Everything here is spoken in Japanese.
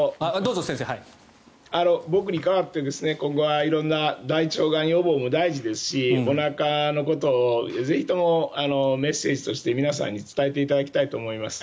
僕に代わって今後は色んな大腸がん予防も大事ですしおなかのことをぜひともメッセージとして皆さんに伝えていただきたいと思います。